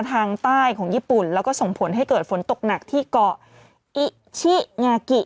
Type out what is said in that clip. ทางใต้ของญี่ปุ่นแล้วก็ส่งผลให้เกิดฝนตกหนักที่เกาะอิชิงากิ